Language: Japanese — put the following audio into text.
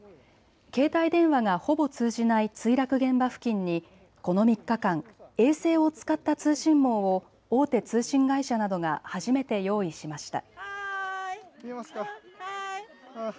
携帯電話がほぼ通じない墜落現場付近にこの３日間、衛星を使った通信網を大手通信会社などが初めて用意しました。